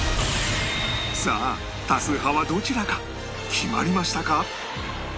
さあ多数派はどちらか決まりましたか？